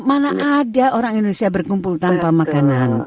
mana ada orang indonesia berkumpul tanpa makanan